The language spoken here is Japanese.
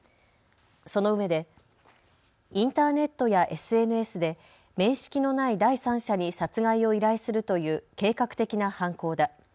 そのうえで、インターネットやＳＮＳで面識のない第三者に殺害を依頼するという計画的な犯行だ。